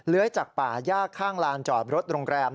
เลื้อยจากปากยากข้างลานจอดรถโรงแรม